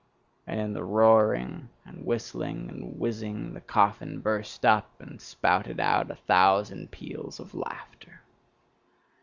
And in the roaring, and whistling, and whizzing the coffin burst up, and spouted out a thousand peals of laughter.